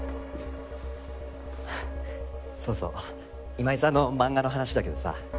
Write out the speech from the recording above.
そうそう今井さんの漫画の話だけどさ。